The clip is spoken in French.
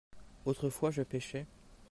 autrefois je pêchai.